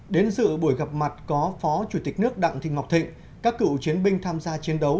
đến dự buổi gặp mặt có phó chủ tịch nước đặng thị ngọc thịnh các cựu chiến binh tham gia chiến đấu